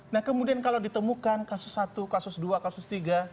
nah kemudian kalau ditemukan kasus satu kasus dua kasus tiga